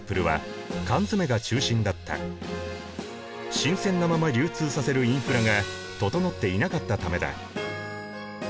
新鮮なまま流通させるインフラが整っていなかったためだ。